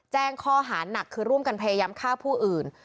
แจ้งข้อหาหนักคือร่วมกันพยายามฆ่าผู้อื่น